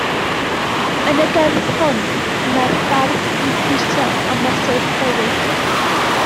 Yn y gerdd hon, y mae'r bardd yn pwyso a mesur bywyd.